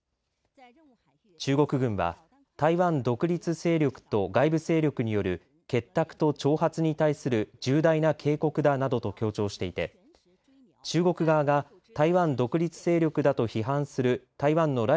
中国軍は台湾独立勢力と外部勢力による結託と挑発に対する重大な警告だなどと強調していて中国側が台湾独立勢力だと批判する台湾の頼